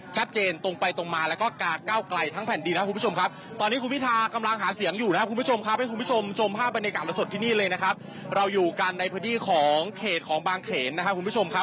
ชัดเจนตรงไปตรงมาแล้วกับกาเก้าไกลทั้งแผ่นดีนะครับ